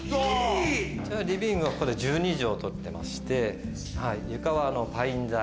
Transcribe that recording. リビングはここで１２帖取ってまして床はパイン材。